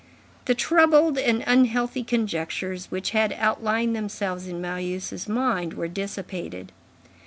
The troubled and unhealthy conjectures which had outlined themselves in Marius' mind were dissipated.